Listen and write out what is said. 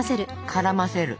絡ませる。